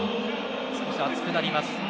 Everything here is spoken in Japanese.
少し熱くなります。